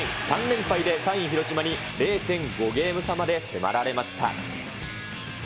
３連敗で３位広島に０．５ゲーム差まで迫られました。